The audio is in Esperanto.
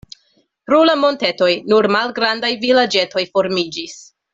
Pro la montetoj nur malgrandaj vilaĝetoj formiĝis.